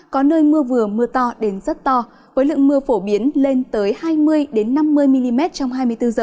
có nơi mưa vừa mưa to đến rất to với lượng mưa phổ biến lên tới hai mươi năm mươi mm trong hai mươi bốn h